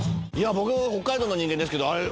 僕北海道の人間ですけどあれ